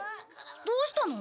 どうしたの？